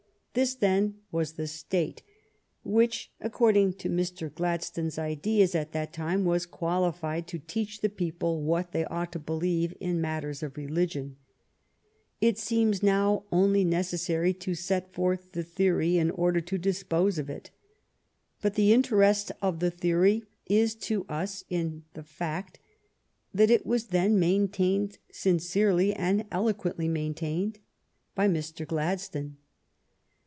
This, then, was the State which, according to Mr. Gladstone's ideas at that time, was qualified to teach the people what they ought to believe in matters of religion. It seerris now only necessary to set forth the theory in order to dispose of it. But the interest of the theory is to us in the fact that it was then maintained, sincerely and eloquently maintained, by Mr. Gladstone.